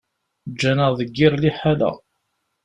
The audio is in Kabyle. Ǧǧan-aɣ deg yir liḥala.